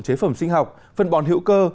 chế phẩm sinh học phân bòn hữu cơ